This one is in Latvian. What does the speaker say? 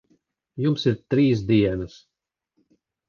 Jums ir trīs dienas.